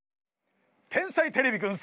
「天才てれびくん」